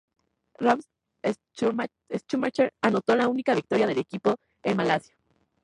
Ralf Schumacher anotó la única victoria del equipo en Malasia.